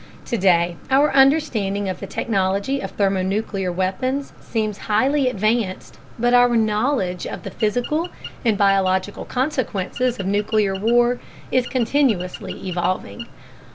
Today our understanding of the technology of thermonuclear weapons seems highly advanced, but our knowledge of the physical and biological consequences of nuclear war is continuously evolving.